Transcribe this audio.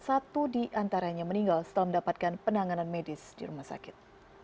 satu di antaranya meninggal setelah mendapatkan penanganan medis di rumah sakit